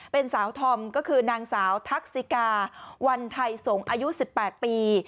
เป็นสาวธอมก็คือนางสาวทักษิกาวันไทยสงศ์อายุ๑๘ปี